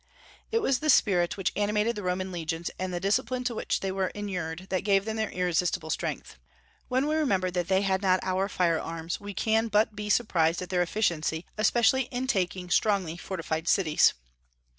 It was the spirit which animated the Roman legions, and the discipline to which they were inured that gave them their irresistible strength. When we remember that they had not our firearms, we can but be surprised at their efficiency, especially in taking strongly fortified cities.